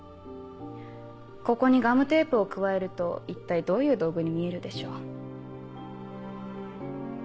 ここにガムテープを加えると一体どういう道具に見えるでしょう？